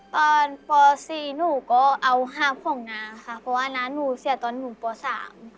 ปสี่หนูก็เอาหาบของนาค่ะเพราะว่าน้าหนูเสียตอนหนูปสาม